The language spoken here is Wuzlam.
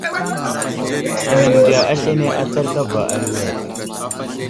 Anaŋ məndiya aslane atsar kava aliwer.